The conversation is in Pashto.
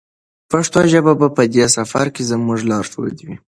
پښتو ژبه به په دې سفر کې زموږ لارښود وي.